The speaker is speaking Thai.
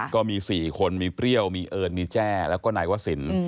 ก็มี๔คนมีเปรี้ยวมีเอิญมีแจ้แล้วก็นายวศิลป์